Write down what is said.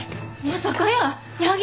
まさかやー。